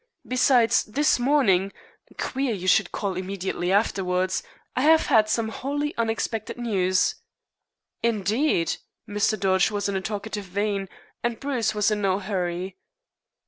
Besides, this morning queer you should call immediately afterwards I have had some wholly unexpected news." "Indeed?" Mr. Dodge was in a talkative vein, and Bruce was in no hurry.